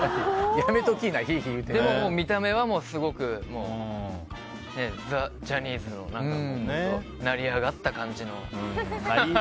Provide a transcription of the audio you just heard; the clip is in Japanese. でも見た目はすごくザ・ジャニーズの成り上がった感じの。